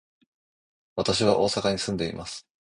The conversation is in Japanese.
私は大阪に住んでいます。